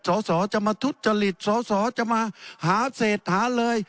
สอสอจะมาทุจจริตสอสอจะมาหาเศรษฐาเลย